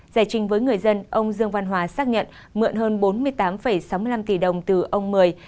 giải trình với người dân ông dương văn hòa xác nhận mượn hơn bốn mươi tám sáu mươi năm tỷ đồng từ ông mười